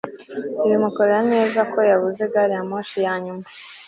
Bimukorera neza ko yabuze gari ya moshi ya nyuma